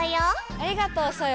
ありがとうソヨ！